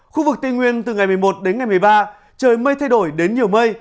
khu vực tây nguyên từ ngày một mươi một đến ngày một mươi ba trời mây thay đổi đến nhiều mây